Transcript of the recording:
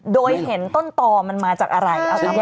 โดยเห็นต้นต่อมันมาจากอะไรเอาตามตรงแหละ